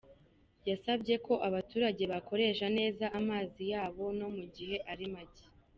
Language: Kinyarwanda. Yasabye ko abaturage bakoresha neza mazi yaba no mu gihe ari make.